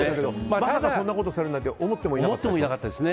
まさかそんなことされるなんて思ってもなかったですよね。